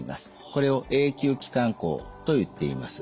これを永久気管孔といっています。